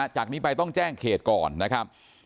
จากนี้ไปต้องแจ้งเขตก่อนนะครับ